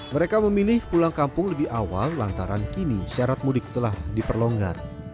mereka memilih pulang kampung lebih awal lantaran kini syarat mudik telah diperlonggar